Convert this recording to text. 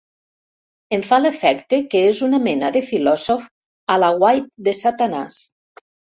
Em fa l'efecte que és una mena de filòsof a l'aguait de Satanàs.